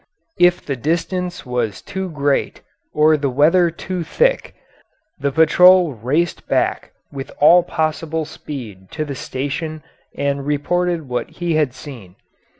If the distance was too great or the weather too thick, the patrol raced back with all possible speed to the station and reported what he had seen.